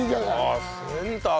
ああセンター